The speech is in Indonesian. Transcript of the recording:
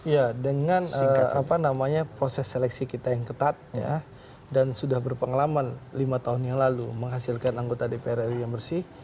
ya dengan proses seleksi kita yang ketat dan sudah berpengalaman lima tahun yang lalu menghasilkan anggota dpr ri yang bersih